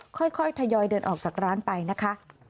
ค่อยทยอยเดินออกจากร้านไปนะคะ